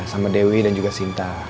sama dewi dan juga sinta